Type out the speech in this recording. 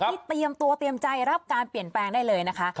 เตรียมตัวเตรียมใจรับการเปลี่ยนแปลงได้เลยนะคะ